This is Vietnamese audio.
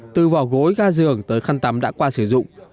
từ vỏ gối ga giường tới khăn tắm đã qua sử dụng